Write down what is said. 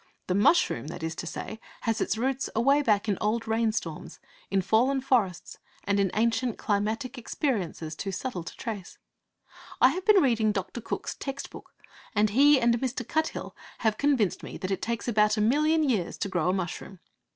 The mushroom, that is to say, has its roots away back in old rainstorms, in fallen forests, and in ancient climatic experiences too subtle to trace. I have been reading Dr. Cooke's text book, and he and Mr. Cuthill have convinced me that it takes about a million years to grow a mushroom.